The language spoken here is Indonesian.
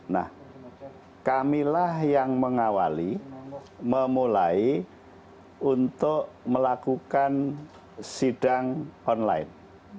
nah kamilah yang mengawali memulai untuk melakukan sidang online